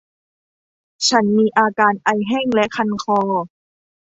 ฉันมีอาการไอแห้ง และ คันคอ